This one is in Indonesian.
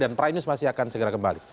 dan prime news masih akan segera kembali